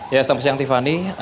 ya selamat siang tiffany